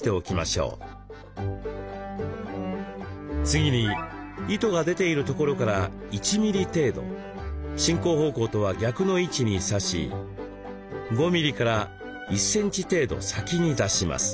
次に糸が出ているところから１ミリ程度進行方向とは逆の位置に刺し５ミリから１センチ程度先に出します。